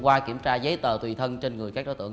qua kiểm tra giấy tờ tùy thân trên người các đối tượng